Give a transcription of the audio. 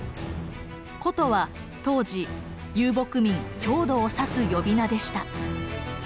「胡」とは当時遊牧民・匈奴を指す呼び名でした。